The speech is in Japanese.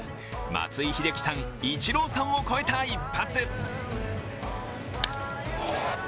松井秀喜さん、イチローさんを超えた一発。